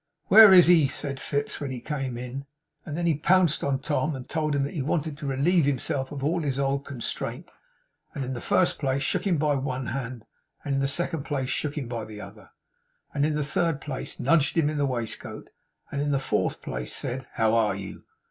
'Where is he?' said Fips, when he came in. And then he pounced on Tom, and told him that he wanted to relieve himself of all his old constraint; and in the first place shook him by one hand, and in the second place shook him by the other, and in the third place nudged him in the waistcoat, and in the fourth place said, 'How are you?